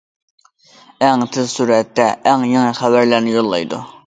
ئەڭ تېز سۈرئەتتە ئەڭ يېڭى خەۋەرلەرنى يوللايدۇ.